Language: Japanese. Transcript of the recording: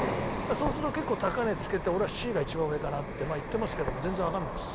そうすると結構高値つけて俺はＣが一番上かなって言ってますけども全然わかんないです。